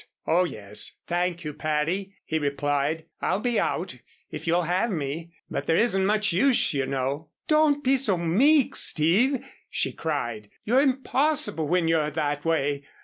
"Oh, yes, thank you, Patty," he replied, "I'll be out, if you'll have me. But there isn't much use, you know." "Don't be so meek, Steve!" she cried. "You're impossible when you're that way.